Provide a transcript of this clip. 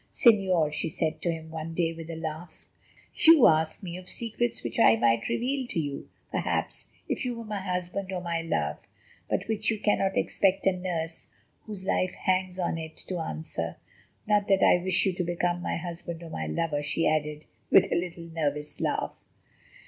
"Señor," she said to him one day with a laugh, "you ask me of secrets which I might reveal to you—perhaps—if you were my husband or my love, but which you cannot expect a nurse, whose life hangs on it, to answer. Not that I wish you to become my husband or my lover," she added, with a little nervous laugh.